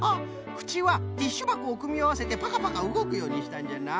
くちはティッシュばこをくみあわせてパカパカうごくようにしたんじゃな。